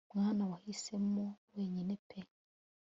mwana wahisemo wenyine pe